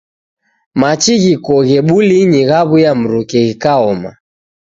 Machi ghikoghe bulinyi ghaw'uya mruke ghikaoma.